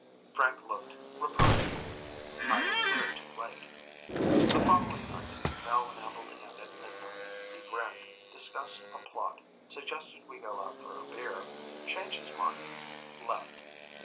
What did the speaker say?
Frank looked reproachful I was there too late. The following night, Mel ambled in at midnight. He grinned, discussed a plot, suggested we go out for a beer, changed his mind, left.